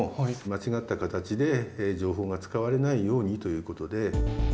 間違った形で情報が使われないようにということで。